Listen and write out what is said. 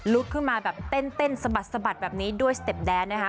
ลุกขึ้นมาแบบเต้นสะบัดแบบนี้ด้วยสเต็ปแดนนะคะ